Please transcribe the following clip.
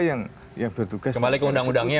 yang bertugas kembali ke undang undangnya